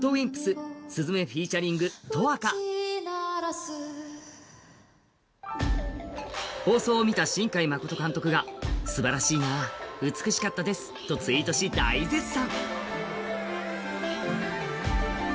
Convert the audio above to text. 主題歌放送を見た新海誠監督がすばらしいな、美しかったですとツイートし大絶賛。